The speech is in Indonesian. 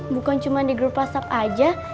bukan cuma di grup whatsapp aja